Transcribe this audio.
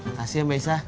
makasih mbak isah